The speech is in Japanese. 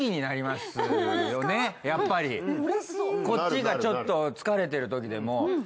こっちがちょっと疲れてるときでも。